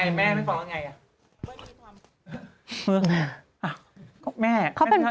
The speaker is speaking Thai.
ยังไงแม่แม่ฟังว่าอย่างไร